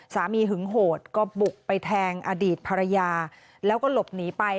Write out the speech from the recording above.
หึงโหดก็บุกไปแทงอดีตภรรยาแล้วก็หลบหนีไป